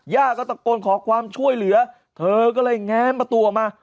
ย่าก็ตะโกนขอความช่วยเหลือเธอก็เลยแง้มประตูออกมา